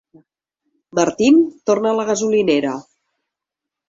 Martin torna a la gasolinera.